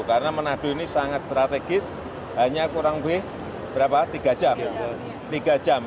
karena manado ini sangat strategis hanya kurang lebih tiga jam